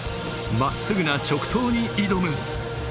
まっすぐな直登に挑む。